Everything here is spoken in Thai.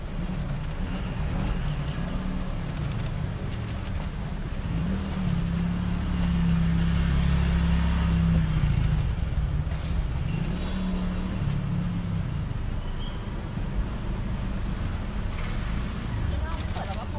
แต่ที่เรารู้ว่าว่าพ่อเขาก็มีผู้หญิงอีกคนนึง